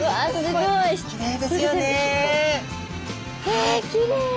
えきれい！